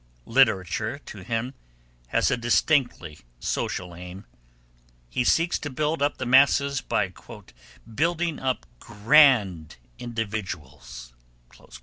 Literature, to him, has a distinctly social aim. He seeks to build up the masses by 'building up grand individuals.'